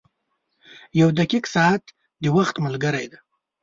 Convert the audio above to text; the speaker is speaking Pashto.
• یو دقیق ساعت د وخت ملګری دی.